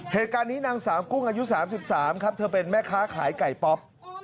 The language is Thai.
เหตุการณ์นี้นางสาวกุ้งอายุ๓๓ครับเธอเป็นแม่ค้าขายไก่ป๊อป